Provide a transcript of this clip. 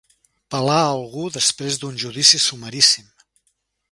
Pelar algú després d'un judici sumaríssim.